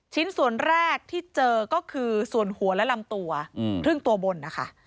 ชิ้นส่วนแรกที่เจอก็คือส่วนหัวและลำตัวครึ่งตัวบนนะคะ